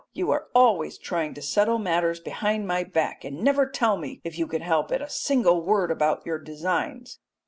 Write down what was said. You are always trying to settle matters behind my back, and never tell me, if you can help it, a single word about your designs."